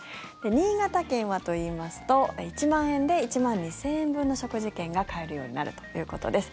新潟県はと言いますと、１万円で１万２０００円分の食事券が買えるようになるということです。